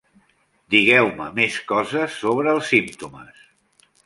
Digueu-me més coses sobre els símptomes.